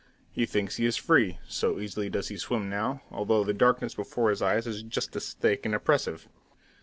He thinks he is free, so easily does he swim now, although the darkness before his eyes is just as thick and oppressive.